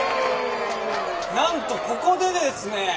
なんとここでですね